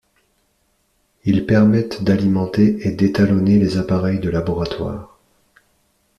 Ils permettent d’alimenter et d’étalonner les appareils de laboratoires.